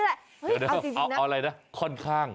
เอาอะไรนะค่อนข้าง